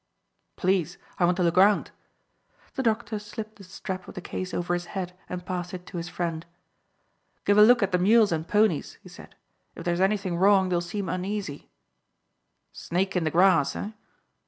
"Please. I want to look round." The doctor slipped the strap of the case over his head and passed it to his friend. "Give a look at the mules and ponies," he said. "If there's anything wrong they'll seem uneasy." "Snake in the grass, eh?"